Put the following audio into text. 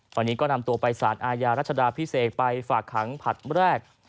ตอนนี้ก็นำตัวไปสารอาญารัชดาพิเศษไปฝากขังผลัดแรก